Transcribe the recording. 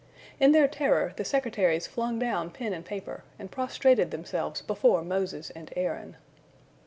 In their terror, the secretaries flung down pen and paper, and prostrated themselves before Moses and Aaron.